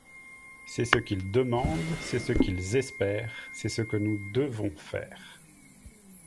C’est ce qu’ils demandent, c’est ce qu’ils espèrent, c’est ce que nous devons faire.